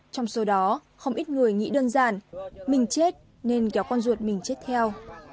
trong số đó không ít người nghĩ đơn giản mình chết nên kéo con ruột mình chết theo